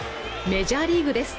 メジャーリーグです